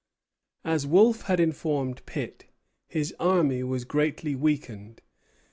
As Wolfe had informed Pitt, his army was greatly weakened.